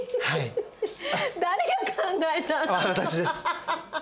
私です。